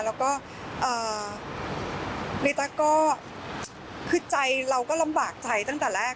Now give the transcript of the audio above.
แล้วก็ในตั๊กก็คือใจเราก็ลำบากใจตั้งแต่แรก